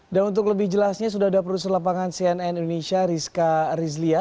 dan untuk lebih jelasnya sudah ada produser lapangan cnn indonesia rizka rizlia